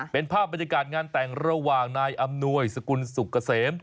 เป็นภาพบรรยากาศงานแต่งระหว่างนายอำนวยสกุลสุกเกษม